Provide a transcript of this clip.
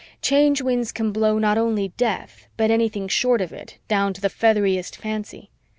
Change Winds can blow not only death but anything short of it, down to the featheriest fancy.